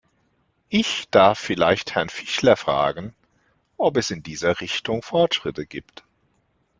Ich darf vielleicht Herrn Fischler fragen, ob es in dieser Richtung Fortschritte gibt.